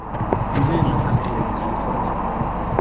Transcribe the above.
Vive en Los Angeles, California.